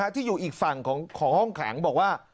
ที่อยู่อีกฝั่งของห้องขังบอกว่า